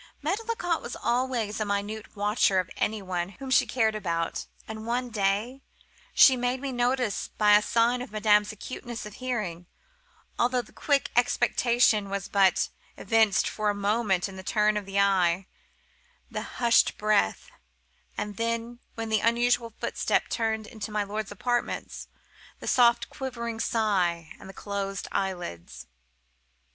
Medlicott was always a minute watcher of any one whom she cared about; and, one day, she made me notice by a sign madame's acuteness of hearing, although the quick expectation was but evinced for a moment in the turn of the eye, the hushed breath—and then, when the unusual footstep turned into my lord's apartments, the soft quivering sigh, and the closed eyelids.